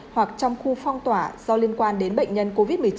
hoặc trong khu phong tỏa do liên quan đến bệnh nhân covid một mươi chín